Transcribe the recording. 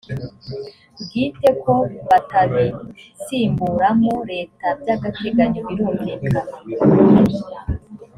bwite ko batabisimburamo leta by agateganyo birumvikana